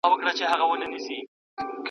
زه بايد سیر وکړم!.